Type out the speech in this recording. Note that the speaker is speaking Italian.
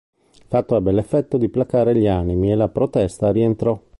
Il fatto ebbe l'effetto di placare gli animi e la protesta rientrò.